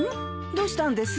どうしたんです？